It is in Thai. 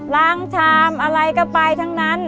ชามอะไรก็ไปทั้งนั้น